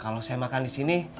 kalau saya makan di sini